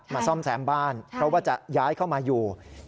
มาซ่อมแซมบ้านเพราะว่าจะย้ายเข้ามาอยู่ครับใช่